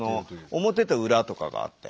表と裏とかがあって。